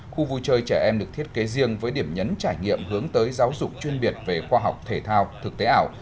khu vui chơi trẻ em được thiết kế riêng với điểm nhấn trải nghiệm hướng tới giáo dục chuyên biệt về khoa học thể thao thực tế ảo